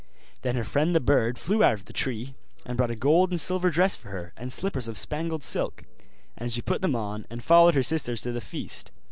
Then her friend the bird flew out of the tree, and brought a gold and silver dress for her, and slippers of spangled silk; and she put them on, and followed her sisters to the feast.